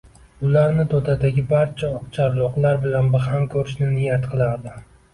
ularni To‘dadagi barcha oqcharloqlar bilan baham ko‘rishni niyat qilardi.